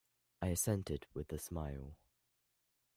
I assented with a smile.